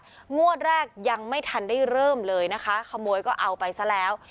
งวดแรกยังไม่ทันได้เริ่มเลยนะคะขโมยก็เอาไปซะแล้ว